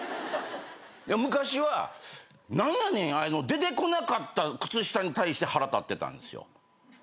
昔は何やねん⁉出てこなかった靴下に対して腹立ってたんですよ。